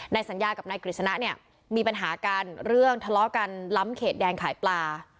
สัญญากับนายกฤษณะเนี่ยมีปัญหากันเรื่องทะเลาะกันล้ำเขตแดงขายปลา